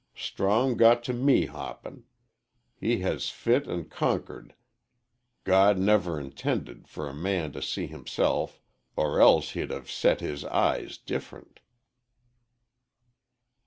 Strong got to mehoppin. he has fit and conkered_ _"God never intended fer a man to see himself er else hed have set his eyes difernt."